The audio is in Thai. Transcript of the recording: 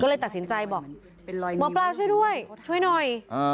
ก็เลยตัดสินใจบอกหมอปลาช่วยด้วยช่วยหน่อย